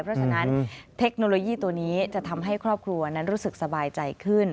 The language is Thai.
เพราะฉะนั้นเทคโนโลยีตัวนี้จะทำให้ครอบครัวนั้นรู้สึกสบายใจขึ้น